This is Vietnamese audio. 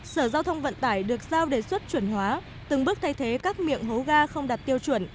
sở giao thông vận tải được giao đề xuất chuẩn hóa từng bước thay thế các miệng hố ga không đạt tiêu chuẩn